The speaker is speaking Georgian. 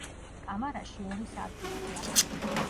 კამარაში ორი სარკმელია.